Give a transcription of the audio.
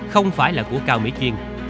không phải là của cao mỹ chiên